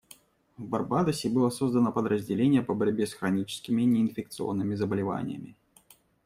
В Барбадосе было создано подразделение по борьбе с хроническими неинфекционными заболеваниями.